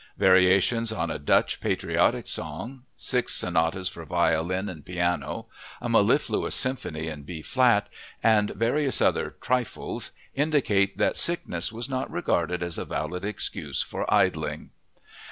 Variations on a Dutch patriotic song, six sonatas for violin and piano, a mellifluous symphony in B flat, and various other "trifles" indicate that sickness was not regarded as a valid excuse for idling.